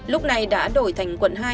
lúc này đã đổi thành quận hai